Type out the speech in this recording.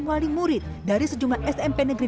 wali murid dari sejumlah smp negeri